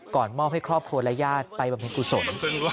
มอบให้ครอบครัวและญาติไปบำเพ็ญกุศล